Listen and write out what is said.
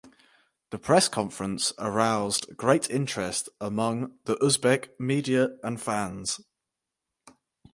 The press conference aroused great interest among the Uzbek media and fans.